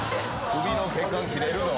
首の血管切れるど。